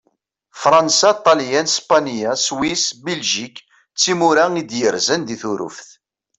Fṛansa, Ṭelyan, Spanya, Swis, Biljik d timura i d-yerzan di Turuft.